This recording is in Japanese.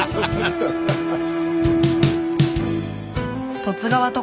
ハハハハ。